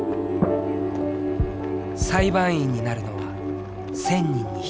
裁判員になるのは１０００人に１人。